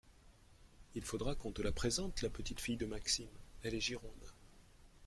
Il faudra qu’on te la présente, la petite-fille de Maxime, elle est gironde.